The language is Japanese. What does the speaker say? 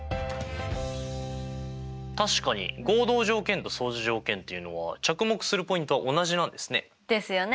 確かに合同条件と相似条件っていうのは着目するポイントは同じなんですね。ですよね。